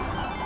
ya makasih ya